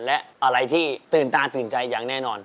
และอะไรที่ตื่นตาตื่นใจอย่างแน่นอน